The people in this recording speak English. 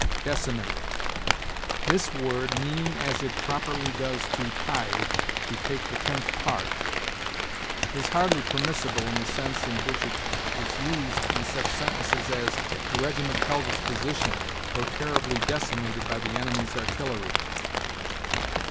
DECIMATE. This word, meaning as it properly does to tithe, to take the tenth part, is hardly permissible in the sense in which it is used in such sentences as, "The regiment held its position, though terribly decimated by the enemy's artillery."